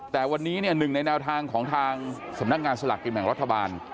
แต่วันนี้เนี่ยหนึ่งในแนวทางของทางสำนักงานสลากกินแบ่งรัฐบาล